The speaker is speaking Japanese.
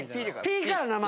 「ピ」から名前。